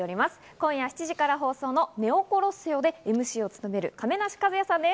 今夜７時から放送の『ネオコロッセオ』でＭＣを務める亀梨和也さんです。